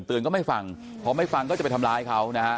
ก็ไม่ฟังพอไม่ฟังก็จะไปทำร้ายเขานะฮะ